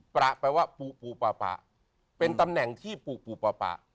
แปลว่าปูปูปะปะเป็นตำแหน่งที่ปูปูปะปะ